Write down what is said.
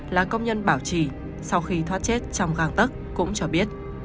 là công nhân bảo trì sau khi thoát chết trong găng tấc cũng cho biết